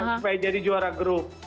supaya jadi juara grup